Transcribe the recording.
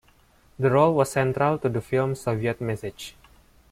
The role was central to the film's Soviet message.